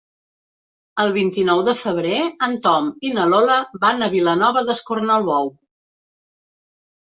El vint-i-nou de febrer en Tom i na Lola van a Vilanova d'Escornalbou.